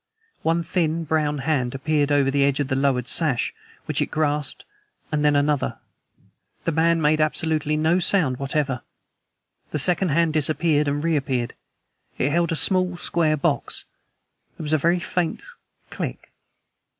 One thin, brown hand appeared over the edge of the lowered sash, which it grasped and then another. The man made absolutely no sound whatever. The second hand disappeared and reappeared. It held a small, square box. There was a very faint CLICK.